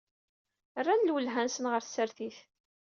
Rran lwelha-nsen ɣer tsertit.